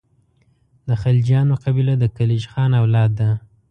د خلجیانو قبیله د کلیج خان اولاد ده.